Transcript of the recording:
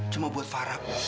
cuma buat farah bu